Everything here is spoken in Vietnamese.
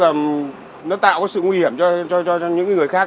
đặt này tức là nó tạo sự nguy hiểm cho những người khác